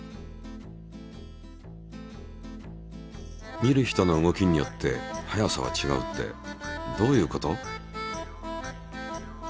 見る人の動きによって速さは違うってどういうこと？